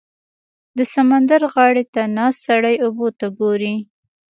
• د سمندر غاړې ته ناست سړی اوبو ته ګوري.